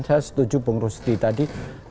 saya setuju pung rusty tadi